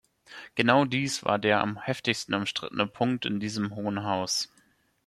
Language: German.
Genau dies war der am heftigsten umstrittene Punkt in diesem Hohen Haus.